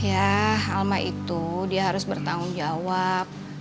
ya alma itu dia harus bertanggung jawab